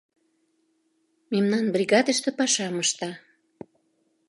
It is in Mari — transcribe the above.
— Мемнан бригадыште пашам ышта.